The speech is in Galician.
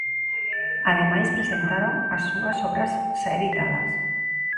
Ademais, presentaron as súas obras xa editadas.